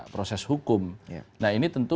proses hukum nah ini tentu